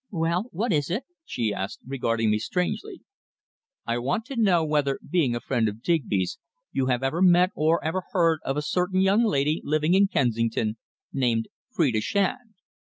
"Well, what is it?" she asked, regarding me strangely. "I want to know whether, being a friend of Digby's, you have ever met or ever heard of a certain young lady living in Kensington named Phrida Shand."